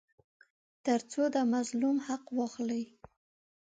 تر څو د مظلوم حق واخلي.